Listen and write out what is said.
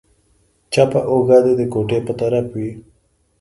چپه اوږه دې د کوټې په طرف وي.